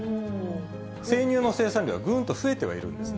生乳の生産量はぐーんと増えてはいるんですね。